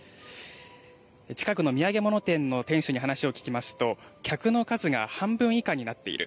近くの土産物店の店主に話を聞きますと客の数が半分以下になっている。